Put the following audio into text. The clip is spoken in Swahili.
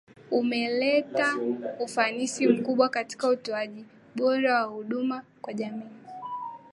umeleta ufanisi mkubwa katika utoaji bora wa huduma kwa jamii